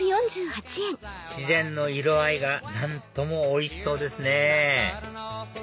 自然の色合いが何ともおいしそうですね